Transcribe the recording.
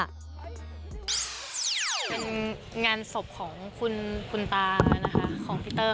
เป็นงานศพของคุณตานะคะของพี่เตอร์